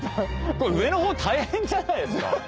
これ上の方大変じゃないですか？